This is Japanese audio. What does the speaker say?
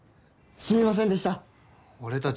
すみませんでした。